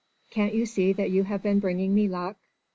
_ Can't you see that you have been bringing me luck?